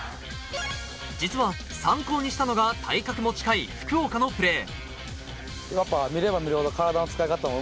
実は参考にしたのが、体格も近い福岡のプレー。